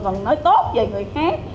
còn nói tốt về người khác